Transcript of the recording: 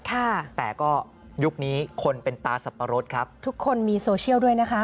ค่ะแต่ก็ยุคนี้คนเป็นตาสับปะรดครับทุกคนมีโซเชียลด้วยนะคะ